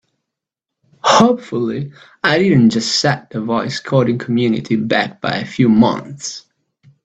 Hopefully I didn't just set the voice coding community back by a few months!